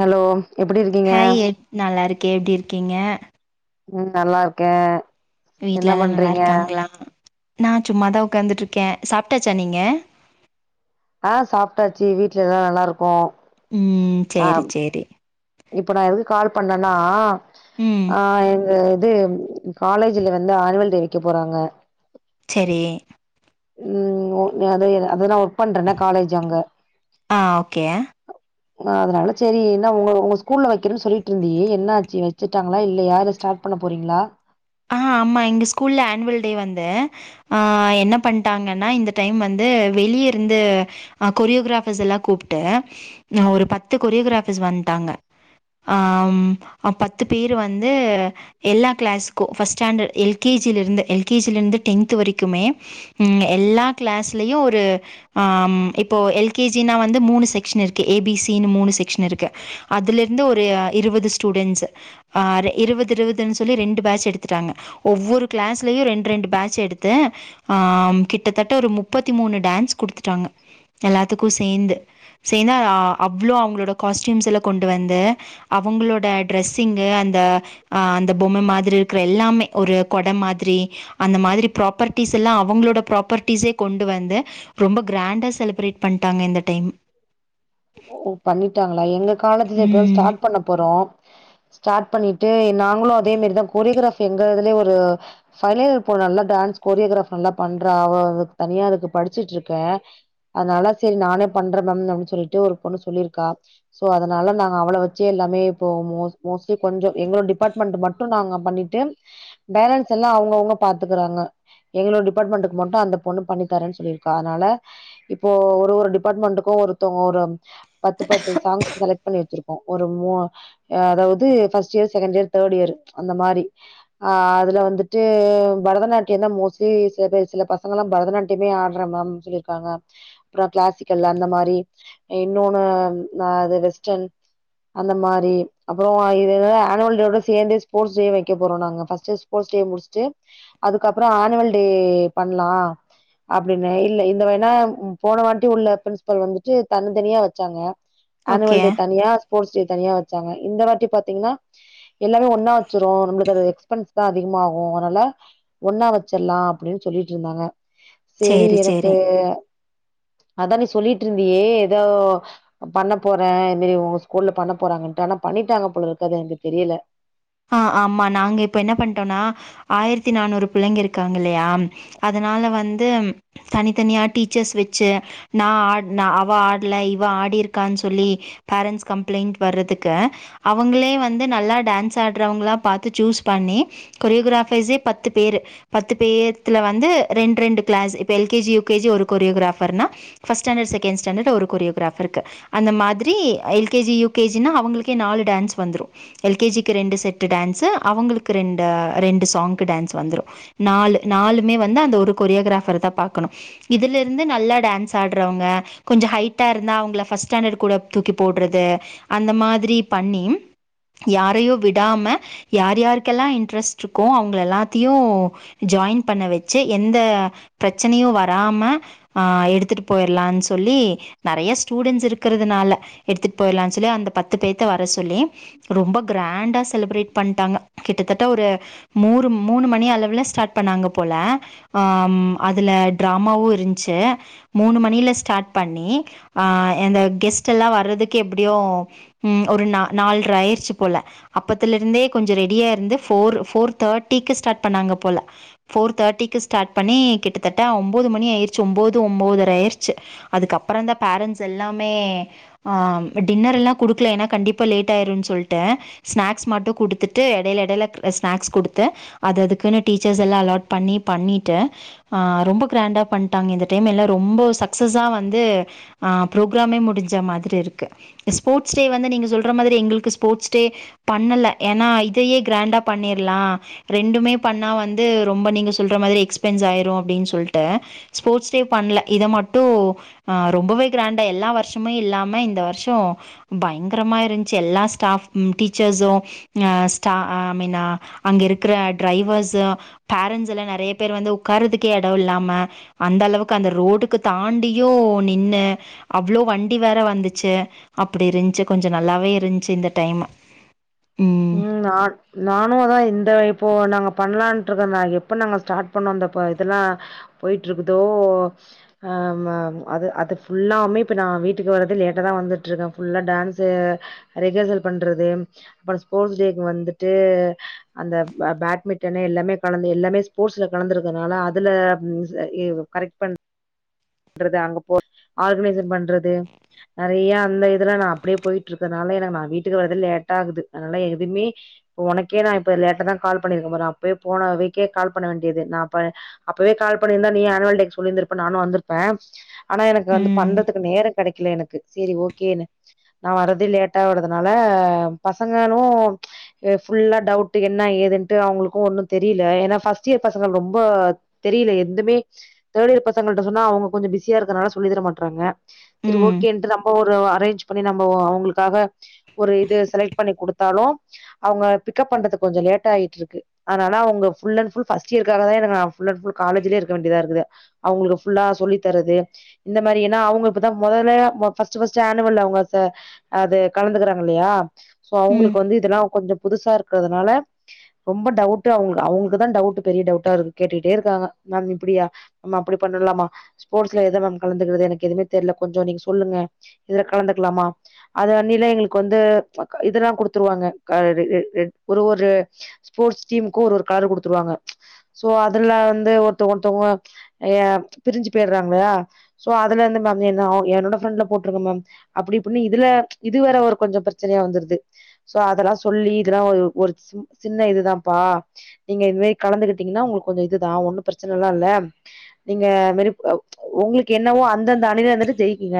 hello எப்டி இருக்கீங்க hi எப் நல்லா இருக்கே எப்டி இருக்கீங்க உம் நல்லாருக்கே வீட்ல எல்லா நல்லாருக்காங்களா நா சும்மாதா‌ உக்காந்துட்டு இருக்கே சாப்ட்டாச்சா நீங்க ஆ சாப்ட்டாச்சு வீட்ல எல்லா நல்லாருக்கோ ம் ஆ சேரி சேரி இப்ப நா எதுக்கு கால் பண்ணேன்னா ம் ஆ எங்க து காலேஜ்ல வந்து ஆன்வல் டே வேக்க போறாங்க சேரி உம் ஓ நீ அதே அது தா பண்றே நா காலேஜ் அங்க ஆ ஓகே ஆஹ் அதனால சேரி என்னா உங் உங்க ஸ்கூல்ல வெக்கறே சொல்லிட்ருந்தியே என்னாச்சு வச்சுட்டாங்களா இல்லயா அத ஸ்டார்ட் பண்ண போறீங்களா ஆஹ் ஆமா எங்க ஸ்கூல்ல ஆன்வல் டே வந்து ஆஹ் என்ன பண்ட்டாங்கன்னா இந்த டைம் வந்து வெளியருந்து அ கொரியோகிராஃபர்ஸ் எல்லா கூப்ட்டு ம் ஒரு பத்து கொரியோகிராஃபர்ஸ் வந்ட்டாங்க ஆஹ் ம் பத்து பேரு வந்து எல்லா கிளாஸ் க்கு first standard L K G லிருந்து எல் கே ஜி லிருந்து டென்த் வரைக்குமே ம் எல்லா கிளாஸ்லயு ஒரு ஆ ம் இப்போ எல் கே ஜி னா வந்து மூணு செக்ஷன் இருக்கு ஏ பி சி னு மூணு செக்ஷன் இருக்கு அதுலருந்து ஒரு இருவது ஸ்டூடண்ட்ஸு ஆஹ் ரு இருவத் இருவதுன் சொல்லி ரெண்டு பேட்ச் எடுத்துட்டாங்க ஒவ்வொரு கிளாஸ்லயு ரெண்ட்ரெண்டு பேட்ச் எடுத்து ஆஹ் ம் கிட்டத்தட்ட ஒரு முப்பத்தி மூணு டேன்ஸ் குடுத்துட்டாங்க எல்லாத்துக்கு சேந்து சேந்து அவ்ளோ அவுங்களோட காஸ்ட்யூம்ஸ் எல்லா கொண்டு வந்து அவுங்களோட ட்ரஸ் சிங்கு அந்த ஆஹ் அந்த பொம்ம மாதிரு ம்மே ஒரு கொட மாதிரி அந்த மாதிரி ப்ராப்பர்ட்டீஸ் எல்லா அவங்களோட ப்ராப்பர்டீஸே கொண்டு வந்து ரொம்ப க்ராண்டா செலிப்ரேட் பண்ட்டாங்க இந்த டைம் ஓ பண்ணிட்டாங்களா எங்க காலேஜ்ல இப்ப தா ம் ஸ்டார்ட் பண்ண போறோ ஸ்டார்ட் பண்ணிட்டு நாங்களு அதே மாரி தா கொரியோகிராஃப் எங்க இதுல்யே ஒரு ஃபைனல் போ நல்ல டான்ஸ் கொரியோகிராஃப் நல்லா பண்றா அவ இதுக் தனியா அதுக்கு படிச்சிட்ருக்கே அதனால சரி நானே பண்றே மேம் அப்டி சொல்ட்டு ஒரு பொண்ணு சொல்லிருக்கா சோ அதனால நாங்க அவள வச்சே எல்லாமே இப்போ மோ மோஸ்ட்லி கொஞ்ச எங்களோட டிபார்ட்மெண்ட் மட்டு நாங்க பண்ணிட்டு பேலன்ஸ் எல்லா அவங்கவுங்க பாத்துக்கறாங்க எங்களோட் டிபார்ட்மெண்ட்டுக்கு மட்டு அந்த பொண்ணு பண்ணி தரேன் சொல்லிருக்கா அதுனால இப்ப ஒரு ஒரு டிபார்ட்மெண்ட்டுக்கு ஒருத்தவங் ஒரு பத்து பத்து சாங்ஸ் செலக்ட் பண்ணி வச்சிருக்கோ ஒரு மூ ய அதாவது ஃபஸ்ட் இயர் செகண்ட் இயர் தேட் இயரு அந்த மாரி ஆ அதுல் வந்துட்டு பரதநாட்டியந்தா மோஸ் டு சில பேர் சில பசங்கல்லா பரதநாட்டியமே ஆட்ற மேம்ன் சொல்லிருக்காங்க அப்பறோ கிளாசிக்கல் அந்த மாரி இன்னோன்னு ந அது வெஸ்டர்ன் அந்த மாரி அப்றோ [unintelligible] ஆனுவல் டேவோட சேந்தே ஸ்போர்ட்ஸ் டே வெக்க போறோன்னாங்க ஃபஸ்ட்டு ஸ்போட்ஸ் டே முடிச்ட்டு அதுக்கப்பறோ ஆனுவல் டே பண்லா அப்டினு இல்ல இந்த வேனா ம் போன வாட்டி உள்ள பிரின்ஸ்பல் வந்துட்டு தன்னந்தனியா வெச்சாங்க ஓகே ஆனுவல் டே தானியா போட்ஸ் தனியா வெச்சாங்க இந்த வாட்டி பாத்தீங்கனா எல்லாமே ஒன்னா வெச்சிருவோ நம்ளுக்கு அது எக்ஸ்பென்ஸ் தா அதிகமாகு அதுனால ஒன்னா வெச் சிர்லா அப்டின் சொல்லிட்ருந்தாங்க சேரி எனக்கு அதா நீ சொல்லிட்ருந்தியே ஏதோ பண்ண போறே [unintelligible] ஸ்கூல்ல பண்ண போறாங்கன்டு ஆனா பண்ணிட்டாங்க போலருக்கு அது எனக்கு தெரியல ஆஹ் ஆமா நாங்க இப்ப என்ன பண்ட்டோன்னா ஆயர்த்தி நானூறு பிள்ளைங்க இருக்காங்கில்லயா அதனால வந்து தனித்தனியா டீச்சர்ஸ் வெச்சு நா ஆட்ன அவ ஆட்ல இவ ஆடிருக்கான் சொல்லி பேரண்ட்ஸ் கம்ப்ளைண்ட் வரதுக்கு அவங்களே வந்து நல்லா டேன்ஸ் ஆட்றவங்களா பாத்து சூஸ் பண்ணி கொரியோகிராஃபர்ஸே பத்து பேரு பத்து பேத்துல வந்து ரெண்ட்ரெண்டு கிளாஸு இப்ப L K G, U K G ஒரு கொரியோகிராஃபர்னா ஃபஸ்ட் ஸ்டாண்டட், செகண்ட் ஸ்டாண்டடு ஒரு கொரியோகிராஃபர்க்கு அந்த மாதிரி L K G, U K G னா அவங்களுக்கே நாலு டேன்ஸ் வந்துரு எல் கே ஜி க்கு ரெண்டு செட்டு டேன்ஸு அவங்களுக்கு ரெண்டு ரெண்டு சாங்க்கு டேன்ஸு வந்துரு நாலு நாலுமே வந்து அந்த ஒரு கொரியோகிராஃபர் தா பாக்கணு இதுலருந்து நல்லா டேன்ஸ் ஆட்றவங்க, கொஞ்சோ ஹைட்டா இருந்தா அவங்கள ஃபஸ்ட் ஸ்டாண்டடு கூட தூக்கி போட்றது அந்த மாதிரி பண்ணி யாரயு விடாம யார் யார்க்கெல்லா இன்ட்ரெஸ்ட்ருக்கோ அவங்கள எல்லாத்தியு ஜாயின் பண்ண வெச்சு எந்த பிரச்சனையு வராம ஆஹ் எடுத்துட்டு போயிரலான் சொல்லி நெறைய ஸ்டூடண்ஸ் இருக்கிறதுனால எடுத்துட் போயிரலான் சொல்லி அந்த பத்து பேத்த வர சொல்லி ரொம்ப கிரா ண்டா செலிப்ரேட் பண்டாங்க கிட்டத்தட்ட ஒரு மூரு மூணு மணி அளவுல ஸ்டார்ட் பண்ணாங்க போல ஆ ம் அதுல ட்ராமாவு இருந்ச்சு மூணு மணில ஸ்டார்ட் பண்ணி ஆஹ் அந்த கெஸ்ட் எல்லா வரதுக்கு எப்படியு ம் ஒரு நா நால்ர ஆயிர்ச்சு போல அப்பத்துலருந்தே கொஞ்ச ரெடியா இருந்து ஃபோரு ஃபோர் தேர்ட்டிக்கு ஸ்டார்ட் பண்ணாங்க போல ஃபோர் தேர்ட்டிக்கு ஸ்டார்ட் பண்ணி கிட்டத்தட்ட ஒம்போது மணி ஆயிருச்சு ஒம்போது ஒம்போதர ஆயிர்ச்சு அதுக்கப்பறந்தா பேரண்ட்ஸ் எல்லாமே ஆஹ் டின்னர் எல்லா குடுக்கல ஏனா கண்டிப்பா லேட் ஆயிருன் சொல்ட்டு ஸ்நாக்ஸ் மட்டும் குடுத்துட்டு எடைல எடைல அ ஸ்நாக்ஸ் குடுத்து அது அதுக்குனு டீச்சர்ஸ் எல்லா அலாட் பண்ணி பண்ணிட்டு ஆஹ் ரொம்ப க்ராண்டா பண்ட்டாங்க இந்த டைம் எல்லா ரொம்ப சக்சஸா வந்து ஆஹ் ப்ரோக்ராமே முடிஞ்ச மாதிரி இருக்கு ஸ்போட்ஸ் டே வந்து நீங்க சொல்ற மாதிரி எங்கள்க்கு ஸ்போட்ஸ் டே பண்ணல ஏனா இதையே க்ராண்டா பண்ணிர்லா ரெண்டுமே பண்ணா வந்து ரொம்ப நீங்க சொல்ற மாதிரி எக்ஸ்பென்ஸ் ஆயிரு அப்டின் சொல்ட்டு ஸ்போட்ஸ் டே பண்ணல இத மட்டு ஆஹ் ரொம்பவே க்ராண்டா எல்லா வர்ஷமு இல்லாம இந்த வர்ஷ் [unintelligible] பயங்கரமா இருந்ச்சு எல்லா ஸ்டாஃப் ம் டீ [unintelligible] அஹ் ஸ்டா அ மெய்னா அங்க இருக்கற அ டிரைவர்ஸு பேரண்ஸ் எல்லா நெறைய பேர் வந்து உக்காரத்துக்கே எடோ இல்லாம அந்தளவுக்கு அந்த ரோட்டுக்கு தாண்டியு நின்னு அவ்ளோ வண்டி வேற வந் டுச்சி அப்டி இருந்ச்சு கொஞ்ச நல்லாவே இருந்ச்சு இந்த டைமு ம் உம் நா நானு அதா இந்த இப்போ நாங்க ப ண்லான்ட்ருக்கோ தா எப்ப நாங்க ஸ்டார்ட் பண்ணோ இந்த ப இதெல்லா போய்ட்ருக்குதோ ஆ ம அது அது ஃபுல்லாவ்மே இப்ப நா வீட்டுக்கு வரது லே ட்டா தா வந்துட்ருக்கே ஃபுல்லா டேன்ஸு ரிகர்சல் பண்றது அப்றோ ஸ்போட்ஸ் டேக் வந்துட்டு அந்த ப பேட்மிட்டனு எல்லாமே கலந்து எல்லாமே ஸ்போட்ஸ்ல கலந்துருக்கறனால அதுல மிஸு அ எதோ கரெக்ட் பண்றது அங்க போ ஆர்கனேஸன் பண்றது நெறையா அந்த இதுல நா அப்டே போயிட்ருக்கனால எனக்கு நா வீட்டுக்கு வரது லேட்டாகுது அதனால எதுமே ஒ ஒனக்கே நா இப்ப லேட்டாதா கால் பண்ணிருக்கே பாரு அப்பே போன வீக்கே கால் பண்ண வேண்டியது நா அப்ப அப்பவே கால் பண்ணிருந்தா நீயு ஆன்வல் டேக்கு சொல்லிருந்திருப்ப நானு வந்துருப்பே ஆனா எனக்கு வந்து ம் பண்றதுக்கு நேர கெடைக்ல எனக்கு சேரி ஓகேனு நா வரதே லேட்டாவ்றதுனால பசங்களு அ ஃபுல்லா டவுட்டு என்ன ஏதுன்ட்டு அவ்ங்களுக்கு ஒன்னு தெரியில ஏனா ஃபர்ஸ்ட் இயர் பசங்க ரொம்ப தெரியல எந்துமே தேர்ட் இயர் பசங்கள்ட சொன்னா அவ்ங்க கொஞ்ச பிஸ்யா இருக்கனால சொல்லி தர மாட்றாங்க செரி ம் ஓகேட்ன்டு நம் இப்ப ஒரு அரேஞ் பண்ணி நம்ம ஒ அவ்ளுக்காக ஒரு இது செலக்ட் பண்ணி குடுத்தாலு அவ்ங்க பிக்கப் பண்றது கொஞ்ச லேட் ஆயிட்ருக்கு அதனால அவ்ங்க ஃபுல் அன் ஃபுல் ஃபஸ்ட் இயர்க்காகதா எனக்கா ஃபுல் அன் ஃபுல் காலேஜ்லே இருக்க வேண்டியதா இருக்குது அவ்ங்களுக்கு ஃபுல்லா சொல்லித்தறது இந்த மாரி ஏனா அவ்ங்க இப்பதா மொதல மொ ஃபஸ்ட்டு ஃபஸ்ட்டு ஆனுவல் அவ்ங்க ச அது கலந்துக்கிறாங்க இல்லயா சோ ம் அவ்ங்களுக்கு வந்து இதெல்லா கொஞ்சம் புதுசா இருக்கிறதுனால ரொம்ப டவுட்டு அவ்ங்ளுக் அவ்ங்க்கு தா டவுட்டு பெரிய டவுட்டா இருக்கு கேட்டுக்கிட்டே இருக்காங்க மேம் இப்டியா நம்ம அப்டி பண்லாமா ஸ்போர்ட்ஸ்ல எத மேம் கலந்துகிறது எனக்கு எதுமே தெர்ல கொஞ்சோ நீங்க சொல்லுங்க இதுல கலந்துக்லாமா அது வந்தீல்லா எங்களுக்கு வந்து இதுலா குடுத்துருவாங்க கா இது எ எ ஒரு ஒரு ஸ்போட்ஸ் டீம்முக்கு ஒரு ஒரு கார்டு குடுத்துருவாங்க சோ அதுலா வந்து ஒருத்த ஒன்ட ஒ எ பிரிஞ்சு போய்ருங்றாங்ளா சோ அதுலருந்து நாங்கனு என்னோட போட்ருங்க மே அப்டி இப்டின்னு இதுல இது வேர ஒரு கொஞ்ச பிரச்சனயா வந்துருது சோ அதெல்லா‌ சொல்லி இதுலா ஒரு சி சின்ன இதுதாப்பா நீங்க இதுவே கலந்துகிட்டீங்னா உங்களுக்கு கொஞ்ச இதுதா ஒன்னு பிரச்சனலா இல்ல நீங்க அது மாரி அ ஒங்களுக் கென்னவோ அந்தந்த அணில வந்துட்டு ஜெயிக்கிங்க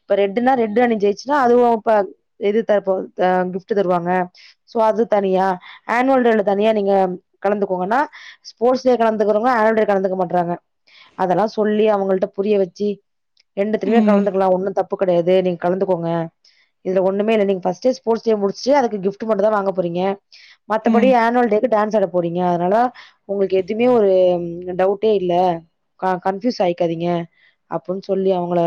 இப்ப ரெட்டுனா ரெட்டு அணி ஜெயிச்சுட்டா அதுவு இப்ப இது த இப்ப ஆஹ் கிஃப்ட்டு தருவாங்க சோ அது தனியா ஆன்வல் டேல தனியா நீங்க கலந்துக்கோங்கனா ஸ்போர்ட்ஸ் டே கலந்துக்குறவ்ங்க ஆன்வல் டே கலந்துக்க மாட்றாங்க அதெல்லா சொல்லி அவங்கள்ட புரிய வச்சு ரெண்டத்திலமே ம் கலந்துக் ஒன்னு தப்பு கெடையாது நீங்க கலந்துக்கோங்க இதுல ஒன்னுமே இல்ல நீங்க ஃபஸ்ட்டே ஸ்போர்ட்ஸ் டே முடிச்சுட்டு அதுக்கு கிஃப்ட்டு மட்டு தா வாங்க போறீங்க ம் மத்தபடி ஆன்வல் டேக்கு டான்ஸ் ஆடப் போறீங்க அதனால ஒங்களுக்கு எதுமே ம் டவுட்டே இல்ல ஆஹ் கன்ஃப்யூஸ் ஆயிக்காதீங்க அப்டின் சொல்லி அவ்ங்கள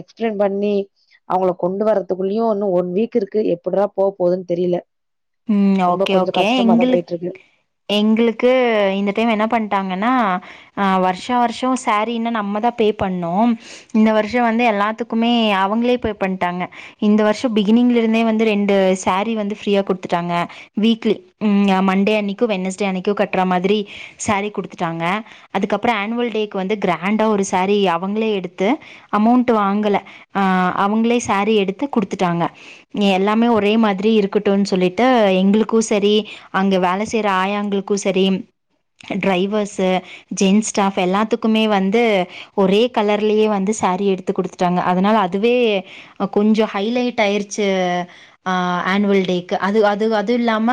எக்ஸ்பிளைன் பண்ணி அவ்ங்கள கொண்டு வரறதுக்குள்ளயு இன்னு ஒன் வீக் இருக்கு எப்பிட்றா போக போகுதுன் தெரியல ம் ஓகே ஓகே எங்களுக்கு போயிட்ருக்கு எங்களுக்கு இந்த டைம் என்ன பண்ட்டாங்கனா அஹ் வர்ஷா வர்ஷ சேரீனா நம்மதா பே பண்ணும் இந்த வர்ஷ வந்து எல்லாத்துக்குமே அவங்களே பே பண்ட்டாங்க இந்த வர்ஷ பிகினிங்ல இருந்தே வந்து ரெண்டு சாரி வந்து ஃப்ரீயா குடுத்துட்டாங்க வீக்லி ம் மண்டே அன்னைக் கு வென்னஸ்டே அன்னைக்கு கட்றமாதிரி சாரி குடுத்துட்டாங்க அதுக்கப்ற ஆன்வல்டேக்கு வந்து கிராண்டா ஒரு சாரி அவங்ளே எடுத்து அமோண்ட் வாங்கள ஆஹ் அவங்ளே சாரி எடுத்து குடுத்துடாங்க எல்லாமே ஒரே மாதிரி இருக்கட்டுன் சொல்லிட்டு எங்களுக்கு செரி அங்கெ வேல செய்ற ஆயாங்களுக்கு செரி ட்ரைவர்ஸு ஜென்ஸ் ஸ்டாஃப் எல்லாத்துக்குமே வந்து ஒரே கலர்லயே வந்து சாரி எடுத்து குடுத்துட்டாங்க அதனால அதுவே கொஞ்ச ஹைலைட் ஆயிருச்சு ஆஹ் ஆனுவல் டேக்கு அது அது அது இல்லாம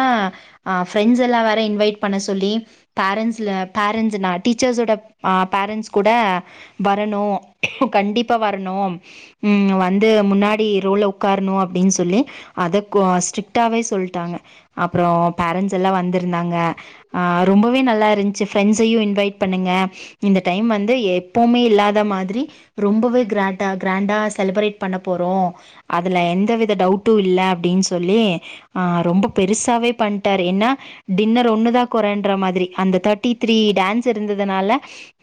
ஆ ஃப் ஃப்ரெண்ட்ஸெல்லா வேற இன்வைட் பண்ண சொல்லி பேரண்ட்ஸ்ல பேரண்ட்ஸுனா டீச்சர்ஸோட ஆஹ் பேரண்ட்ஸ் கூட வரணு கண்டிப்பா வரணு உம் வந்து முன்னாடி ரோல உக்கார்ணு அப்டின் சொல்லி அத கோ ஸ்ட்ரிக்டாவே சொல்ட்டாங்க அப்றோ பேரண்ட்ஸ் திலா வந்திருந்தாங்க ஆஹ் ரொம்பவே நல்லாருந்ச்சு ஃபிரெண்ட்ஸ்சையு இன்வெய்ட் பண்ணுங்க இந்த டய்ம் வந்து எப்போமே இல்லாத மாதிரி ரொம்பவே கிராட்டா கிராண்டா செலபரேட் பண்ணப்போறோ அதுல எந்த வித டவுட்டு இல்ல அப்டின் சொல்லி ஆஹ் ரொம்ப பெருசாவே பண்ட்டார் ப்ப என்ன டின்னர் ஒன்னுதா கொறன்ற மாதிரி அந்த தேர்டி த்ரீ டான்ஸ் இருந்ததுனால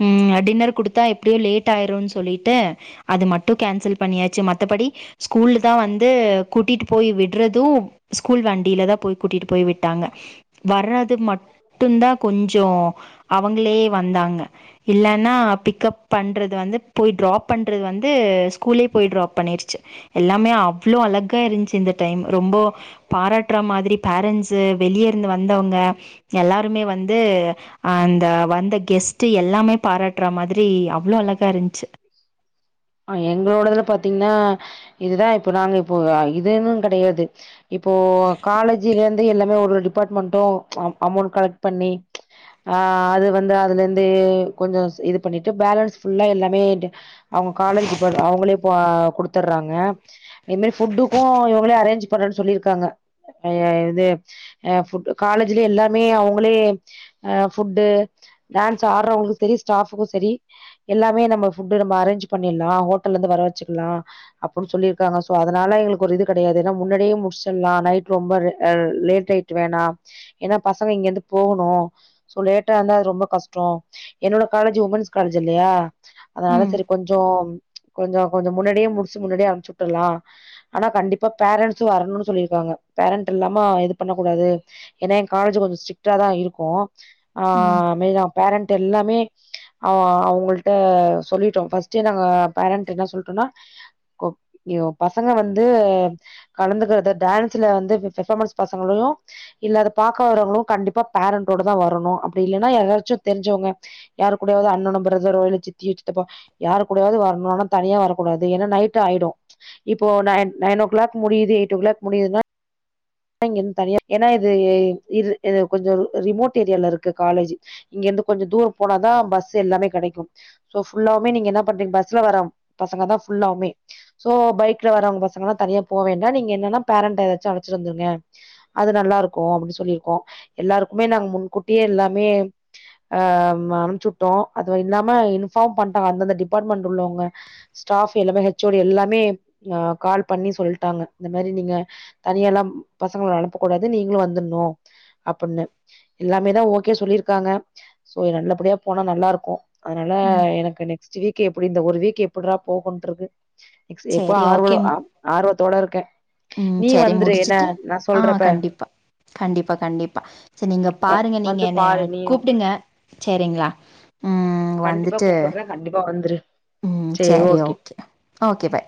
உம் டின்னர் குடுத்தா எப்டியோ லேட் ஆயிருன் சொல்லிட்டு அது மட்டு கேன்சல் பண்ணியாச்சு மத்தபடி ஸ்கூல்ல தா வந்து கூட்டிட்டு போய் விட்றது ஸ்கூல் வண்டில தா போய் கூட்டிட்டு போய் விட் வர்றாது மட்டுந்தா கொஞ்சோ அவங்ளே வந்தாங்க இல்லனா பிக்கப் பண்றது வந்து போய் ட்ராப் பண்றது வந்து அ ஸ்கூலே போய் ட்ராப் பண்ணிருச்சு எல்லாமே அவ்ளோ அழகா இருந்ச்சு இந்த டைம் ரொம்போ பாராட்ற மாதிரி பேரண்ட்ஸ் து வெளியருந்து வந் தவ்ங்க எல்லாருமே வந்து அஹ் அந்த வந்த கெஸ்ட்டு எல்லாமே பாராட்ற மாதிரி அவ்ளோ அழகா இருந்ச்சு தீங்னா இதுதா இப்ப நாங்க இப்போ அஹ் இதேன்னு கெடையாது இப்போ காலேஜிலர்ந் து எல்லாமே ஒரு டிபார்ட்மண்ட்டு அஹ் அமௌன்ட் கலெக்ட் பண்ணி ஆஹ் அது வந்து அதுல இருந்து கொஞ்ச இது பண்ணிட்டு பேலன்ஸ் ஃபுல்லா எல்லாமே டி அவ்ங்க காலேஜ் டிபார்ட் அவ்ங்களே இப்ப குடுத்தர்றாங்க அது மாரி ஃபுட்டுக்கு இவங்களே அரேஞ்ச் பண்றேன் சொல்லிருக்காங்க அய்ய இது ஆஹ் ஃபுட் காலேஜ் ஜுல எல்லாமே அவ்ங்களே ஆஹ் ஃபுட்டு டான்ஸ் ஆட்றவ்ங்களுக்கு செரி ஸ்டாஃப்க்கு செரி எல்லாமே நம்ம ஃபுட்டு நம்ம அரேஞ்ச் பண்ணிற்லா ஹோட்டல்லருந்து வர வச்சுக்லா அப்புன் சொல்லிருக்காங்க சோ அதனால எங்களுக்கு ஒரு இது கெடையாது ஏனா முன்னாடியே முடிச்சம்னா நைட்டு ரொம்ப ரே அஹ் லேட் நைட் வேணா ஏனா பசங்க இங்கருந்து போகணு சோ லேட்டா இருந்தா அது ரொம்ப கஷ்ட என்னோட காலேஜு உமன்ஸ் காலேஜ் இல்லையா அதனால ம் செரி கொஞ்சோ கொஞ்ச கொஞ்ச முன்னாடியே முடிச்சு முன்னாடியே அம்ச்சுட்டுற்லா ஆனா கண்டிப்பா பேரன்ஸு வர்ணுனு சொல்லிருக்காங்க பேரண்ட் இல்லாம இது பண்ண கூடாது ஏனா எங் காலேஜு கொஞ்ச ஸ்ரிக்ட்டா தா இருக்கு ம் ஆஹ் மெய்னா பேரண்ட்ட எல்லாமே அவ் அவ்ங்கள்ட்ட சொல்லிட்டோ ஃபஸ்ட்டே நாங்க பேரண்ட்ட என்ன சொல்ட்டோனா பசங்க வந்து கலந்துகறத டான்ஸ்ல வந்து பெர்பாமன்ஸ் பசங்களையு இல்ல அத பாக்க வரவங்களு கண்டிப்பா பேரண்டோடதா வரணு அப்டி இல்லனா யாராச்சு தெரிஞ்சவ்ங்க யாரு கூடயாவ்து அண்ணனோ பிரதரோ இல்ல சித்தி சித்தப்பா யாரு கூடவாது வர்ணு ஆனா தனியா வரக்கூடாது ஏனா நைட் ஆய்டு இப்போ நை நைன் ஓ கிளாக் முடியுது எயிட் ஓ கிளாக் முடியுதுனா இங்கருந் தனியா ஏனா இது இது உ கொஞ்ச ரிமோட் ஏரியால இருக்கு காலேஜு இங்க இருந்து கொஞ்ச தூர போனாதா பஸ் எல்லாமே கெடைக்கு சோ ஃபுல்லாவுமே நீங்க என்ன பண்றீங்க பஸ்ல வர பசங்க தா ஃபுல்லவுமே சோ பைக்ல வர்றவங்க பசங்கலா தனியா போ வேண்டா நீங்க என்னனா பேரண்ட்ட வச்சு அழச்சு சந்துருங்க அது நல்லா இருக்கு அப்புட்னு சொல்லிருக்கோ எல்லாருக்குமே நாங்க முன்கூட்டியே எல்லாமே அஹ் ம் அம்ச்சுட்டோ அது இல்லாம இன்ஃபார்ம் பண்ட்டாங்க அந்தந்த டிபார்ட்மண்ட்ல உள்ளவங்க ஸ்டாஃப் எல்லாமே ஹெச் ஒ டி எல்லாமே அஹ் கால் பண்ணி சொல்ட்டாங்க இந்த மாரி நீங்க தனியாலாம் பசங்கள அனுப்பக் கூடாது நீங்களு வந்துர்ணு அப்பிட்னு எல்லாமே தா ஓகே சொல்லிருக்காங்க சோ நல்லபடியா போனா நல்லா இருக்கு அதனால ம் எனக்கு நெக்ஸ்ட் வீக்கு எப்டி இந்த ஒரு வீக்கு எப்பிட்றா போகுன்ட்ருக்கு [unintelligible] எப்ப சரி ஆர்வல ஓகே ஆவ் ஆர்வத் தொட இருக்கே ம் நீ செரி வந்துரு என்ன முடிச்சுட்டு நா ஆ சொல்றப்ப கண்டிப்பா கண்டிப்பா கண்டிப்பா செரி நீங்க பாருங்க நீங்க வந்து என்னைய பாரு நீயு கூப்டுங்க செரிங்களா ம் ம் கண்டிப்பா வந்துட்டு கூப்புட்றே கண்டிப்பா வந்துரு ம் செரி ஓகே ஓகே பை